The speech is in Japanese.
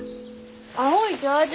青いジャージ？